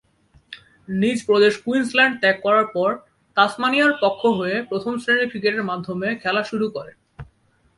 নিজ প্রদেশ কুইন্সল্যান্ড ত্যাগ করার পর তাসমানিয়ার পক্ষ হয়ে প্রথম-শ্রেণীর ক্রিকেটের মাধ্যমে খেলা শুরু করেন।